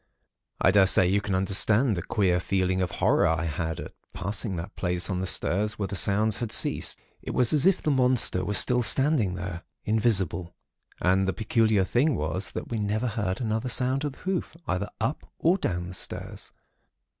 "I daresay you can understand the queer feeling of horror I had at passing that place on the stairs where the sounds had ceased. It was as if the monster were still standing there, invisible. And the peculiar thing was that we never heard another sound of the hoof, either up or down the stairs.